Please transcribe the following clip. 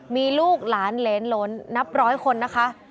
มีลูกหลานเหรนล้นนับร้อยคนนะคะ